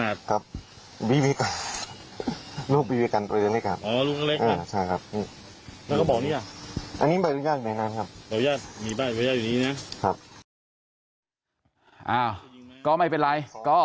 อ้าวก็ไม่เป็นไรก็คุณจะมีปืนมีกระสุนถ้าคุณมีใบอนุญาตค่ะก็ตรวจสอบตรวจพิสูจน์กันนะครับครับ